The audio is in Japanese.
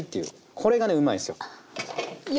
これがねうまいんすよ。